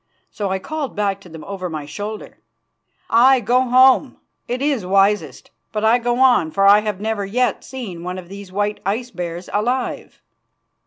So I called back to them over my shoulder: "Aye, go home, it is wisest; but I go on for I have never yet seen one of these white ice bears alive."